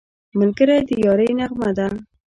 ملګری د یارۍ نغمه ده